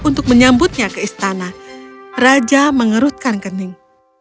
untuk menyambutnya ke istana raja mengerutkan kening